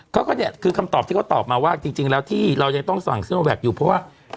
ก็เนี่ยคือคำตอบที่เขาตอบมาว่าจริงแล้วที่เรายังต้องสั่งซิโนแวคอยู่เพราะว่า